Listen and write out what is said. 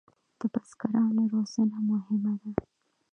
د بزګرانو روزنه مهمه ده